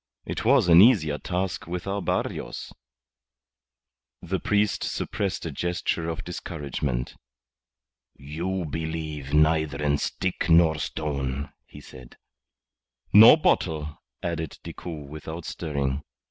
It was an easier task with our Barrios." The priest suppressed a gesture of discouragement. "You believe neither in stick nor stone," he said. "Nor bottle," added Decoud without stirring.